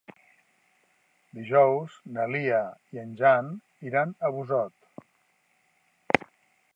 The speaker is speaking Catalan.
Dijous na Lia i en Jan iran a Busot.